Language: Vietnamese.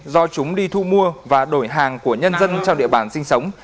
do chúng đi thu mua và đổi hàng của nhân dân trong địa bàn sinh sống